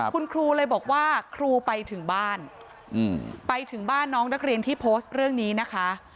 คุณครูเลยบอกว่าครูไปถึงบ้านไปถึงบ้านน้องนักเรียนที่โพสต์เรื่องนี้นะคะ